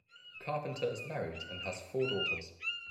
Carpenter is married and has four daughters.